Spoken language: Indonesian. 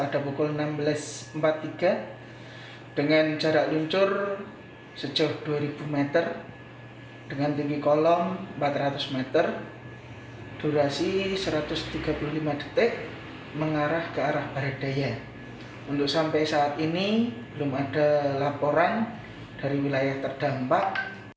dari wilayah terdampak